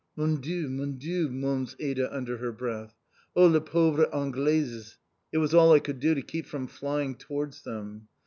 "Mon Dieu, mon Dieu!" moans Ada under her breath. "Oh, les pauvres Anglaises!" It was all I could do to keep from flying towards them.